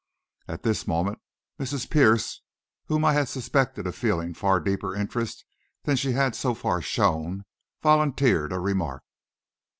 At this moment Mrs. Pierce, whom I had suspected of feeling far deeper interest than she had so far shown, volunteered a remark.